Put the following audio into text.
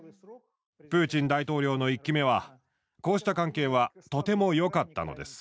プーチン大統領の１期目はこうした関係はとても良かったのです。